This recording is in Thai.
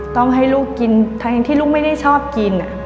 ต้องให้ลูกกินทั้งที่ลูกไม่ได้ชอบกิน